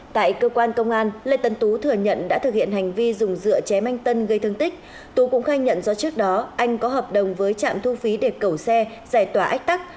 tại cơ quan công an lê tấn tú thừa nhận đã thực hiện hành vi dùng dựa chém anh tân gây thương tích tú cũng khai nhận do trước đó anh có hợp đồng với trạm thu phí để cẩu xe giải tỏa ách tắc